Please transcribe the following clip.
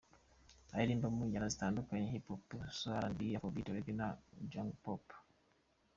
Aririmba mu njyana zitandukanye Hip Hop, Soul, R&B, Afrobeat, Reggae na Jungle Pop.